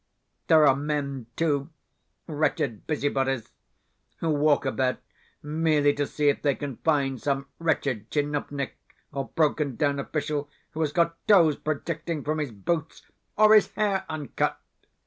There are men, too wretched busybodies who walk about merely to see if they can find some wretched tchinovnik or broken down official who has got toes projecting from his boots or his hair uncut!